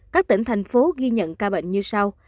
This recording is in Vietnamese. các tỉnh thành phố ghi nhận ca bệnh như sau